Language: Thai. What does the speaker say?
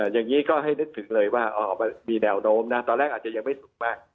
อย่างนี้ก็ให้นึกถึงเลยว่ามีแนวโน้มนะตอนแรกอาจจะยังไม่สูงมาก